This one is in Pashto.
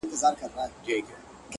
هر څه چي راپېښ ســولـــــه.